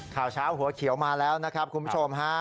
ข่าวเช้าหัวเขียวมาแล้วนะครับคุณผู้ชมฮะ